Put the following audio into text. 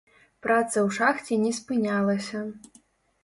Праца ў шахце не спынялася.